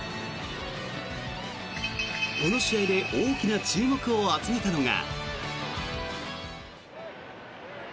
この試合で大きな注目を集めたのが。